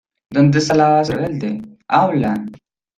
¿ Dónde esta la base rebelde? ¡ habla!